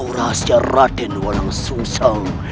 atau rahasia raden walang susang